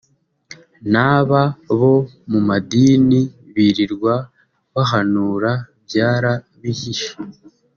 n’aba bo mumadini birirwa bahanura byarabihishe